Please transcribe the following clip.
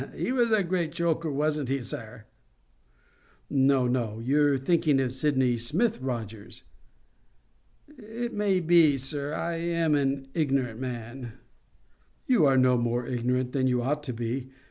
"He was a great joker, wasn't he, sir?" "No, no; you're thinking of Sydney Smith, Rogers." "It may be, sir. I am an ignorant man." "You are no more ignorant than you ought to be.